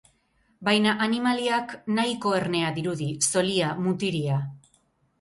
Baina animaliak nahiko ernea dirudi, zolia, mutiria.